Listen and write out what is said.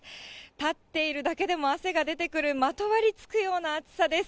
立っているだけでも汗が出てくる、まとわりつくような暑さです。